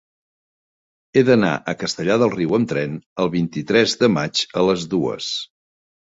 He d'anar a Castellar del Riu amb tren el vint-i-tres de maig a les dues.